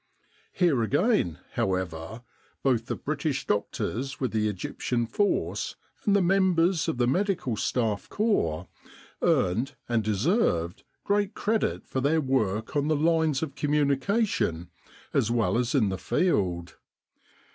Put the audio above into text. Here again, however, both the British doctors with the Egyptian Force and the members of the Medical Staff Corps earned, and deserved, great credit for their work on the lines of communication as well as in the field.